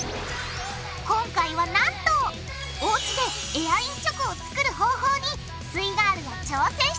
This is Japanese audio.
今回はなんとおうちでエアインチョコを作る方法にすイガールが挑戦してくれます！